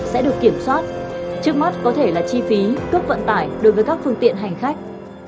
sẽ được kiểm soát trước mắt có thể là chi phí cước vận tải đối với các phương tiện hành khách